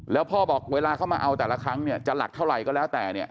แล้วพ่อบอกเวลาเขามาเอาแต่ละครั้งเนี่ยจะหลักเท่าไหร่ก็แล้วแต่เนี่ย